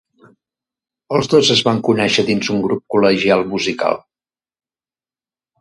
Els dos es van conéixer dins un grup col·legial musical.